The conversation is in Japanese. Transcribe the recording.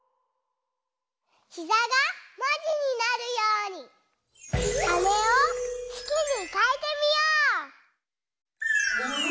「ひざ」がもじになるように「はね」をすきにかえてみよう！